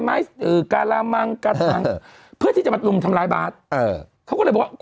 ไม้อือกาลามังกาลามังเพื่อที่จะมาลุมทำลายบ๊าชเออเขาก็เลยบอก